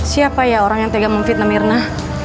siapa ya orang yang tega memfitnah mirna